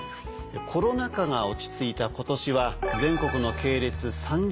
コロナ禍が落ち着いた今年は。